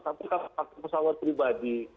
tapi kalau pakai pesawat pribadi